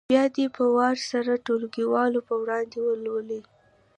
بیا دې په وار سره ټولګیوالو په وړاندې ولولي.